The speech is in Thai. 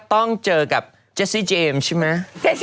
ต้องเจอกับเจสซี่เจมส์ใช่ไหม